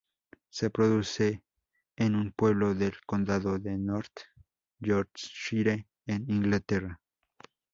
Se produce en un pueblo del condado de North Yorkshire en Inglaterra.